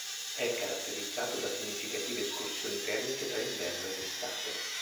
È caratterizzato da significative escursioni termiche tra inverno ed estate.